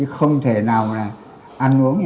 không thể nào là ăn uống